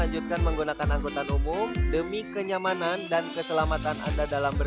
jangan lupa like share dan subscribe